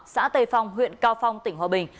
xã tây phong huyện cao phong tỉnh hòa bình